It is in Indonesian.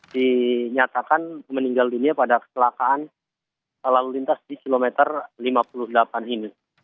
dinyatakan meninggal dunia pada keselakaan lalu lintas di kilometer lima puluh delapan ini